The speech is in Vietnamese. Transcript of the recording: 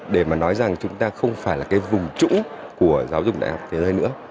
để mà nói rằng chúng ta không phải là cái vùng trũng của giáo dục đại học thế giới nữa